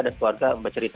dan keluarga bercerita